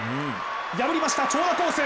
破りました、長打コース。